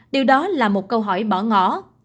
điều đó là một câu hỏi bỏ ngỏ